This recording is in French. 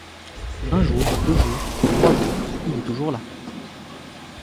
Un jour, deux jours, trois jours, il est toujours là.